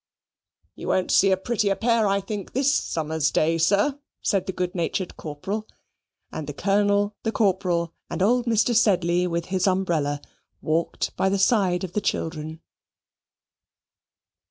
"You won't see a prettier pair I think, THIS summer's day, sir," said the good natured Corporal; and the Colonel, the Corporal, and old Mr. Sedley with his umbrella, walked by the side of the children.